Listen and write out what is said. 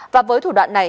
và với thủ đoạn này